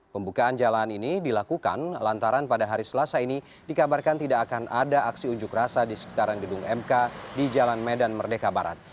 pembukaan jalan ini dilakukan lantaran pada hari selasa ini dikabarkan tidak akan ada aksi unjuk rasa di sekitaran gedung mk di jalan medan merdeka barat